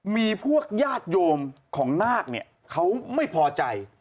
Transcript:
มีพวกญาติโยมของนาคเนี่ยเขาไม่พอใจ